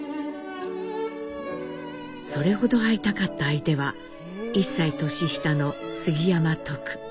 それほど会いたかった相手は１歳年下の杉山トク。